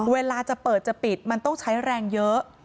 เวลาจะเปิดจะปิดมันต้องใช้แรงเยอะ